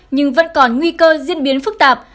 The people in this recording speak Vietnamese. nhưng vẫn còn nguy cơ diễn biến phức tạp